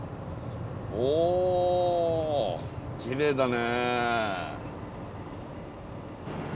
おきれいだね。